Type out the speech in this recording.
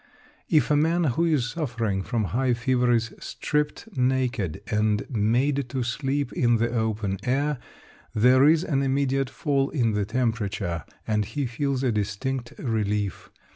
If a man who is suffering from high fever is stripped naked, and made to sleep in the open air, there is an immediate fall in the temperature, and he feels a distinct relief.